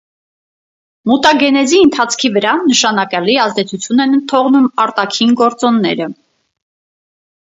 Մուտագենեզի ընթացքի վրա նշանակալի ազդեցություն են թողնում արտաքին գործոնները։